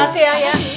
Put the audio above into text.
terima kasih ya